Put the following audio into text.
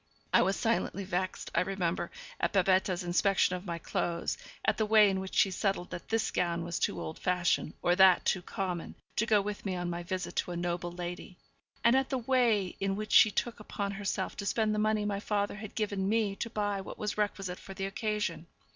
I was silently vexed, I remember, at Babette's inspection of my clothes; at the way in which she settled that this gown was too old fashioned, or that too common, to go with me on my visit to a noble lady; and at the way in which she took upon herself to spend the money my father had given me to buy what was requisite for the occasion.